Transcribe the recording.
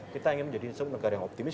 kita ingin menjadi negara yang optimis